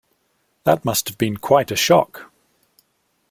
That must have been quite a shock.